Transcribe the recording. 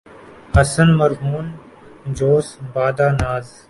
حسن مرہون جوش بادۂ ناز